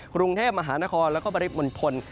กรุงเทพฯมหานครแล้วก็บริษฐ์มลพล